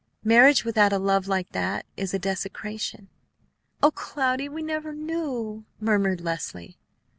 Marriage without a love like that is a desecration." "O Cloudy! We never knew " murmured Leslie.